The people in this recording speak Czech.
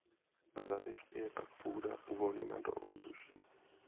Za deště je pak půda uvolňuje do ovzduší.